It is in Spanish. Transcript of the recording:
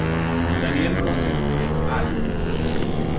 Daniel Rozen et al.